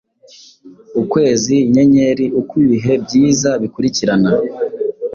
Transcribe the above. ukwezi, inyenyeri, uko ibihe byiza bikurikirana,